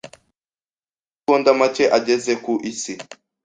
amasegonda make ageze ku Isi.